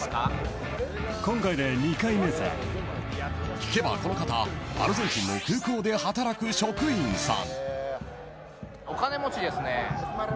聞けばこの方アルゼンチンの空港で働く職員さん。